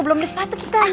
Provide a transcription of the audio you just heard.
belum beli sepatu kita